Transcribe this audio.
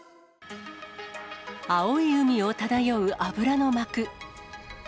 青い海を漂う油の膜。